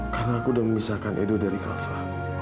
karena aku sudah memisahkan edo dari kava